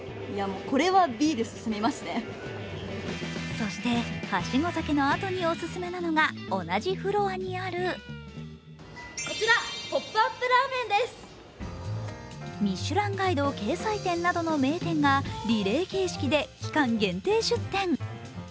そして、はしご酒のあとにお勧めなのが同じフロアにあるミシュランガイド掲載店などの名店がリレー形式で期間限定出店。